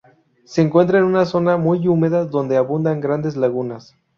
Se encuentra en una zona muy húmeda donde abundan grandes lagunas.